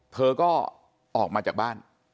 เธอก็ออกมาจากบ้าน